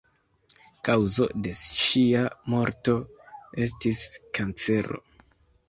Kaŭzo de ŝia morto estis kancero.